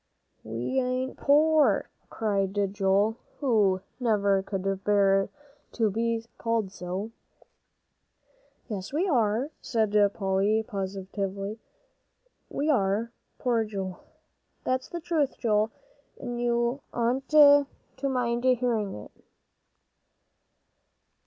"We ain't poor," cried Joel, who never could bear to be called so. "Yes, we are," said Polly, positively, "we are poor, Joel. That's the truth, Joel, and you oughtn't to mind hearing it."